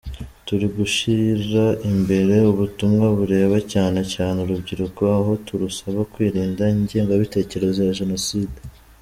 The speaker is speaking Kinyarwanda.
Turi gushyira imbere ubutumwa bureba cyane cyane urubyiruko, aho turusaba kwirinda ingengabitekerezo ya Jenoside.